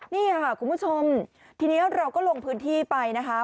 นี่ค่ะคุณผู้ชมทีนี้เราก็ลงพื้นที่ไปนะคะ